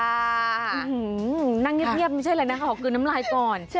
อื้อหือนั่งเงียบไม่ใช่แหละนะคะขอกินน้ำลายก่อน